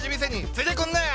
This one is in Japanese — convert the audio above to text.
付いてくんなや！